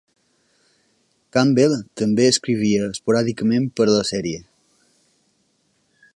Campbell també escrivia esporàdicament per a la sèrie.